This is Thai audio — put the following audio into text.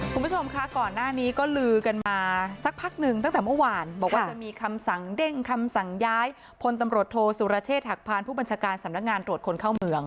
คุณผู้ชมคะก่อนหน้านี้ก็ลือกันมาสักพักหนึ่งตั้งแต่เมื่อวานบอกว่าจะมีคำสั่งเด้งคำสั่งย้ายพลตำรวจโทสุรเชษฐหักพานผู้บัญชาการสำนักงานตรวจคนเข้าเมือง